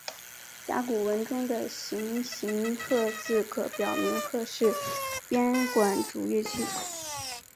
甲骨文中的象形龠字可表明龠是编管竹乐器。